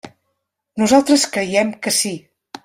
Nosaltres creiem que sí.